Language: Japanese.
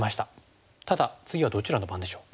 ただ次はどちらの番でしょう。